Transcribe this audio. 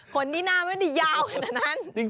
ขนที่หน้ามันยาวขนาดนั้น